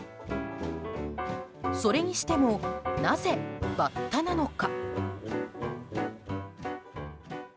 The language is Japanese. それにしてもなぜバッタなのか。